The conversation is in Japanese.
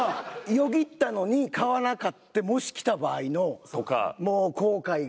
よぎったのに買わなかってもし来た場合のもう後悔があるから。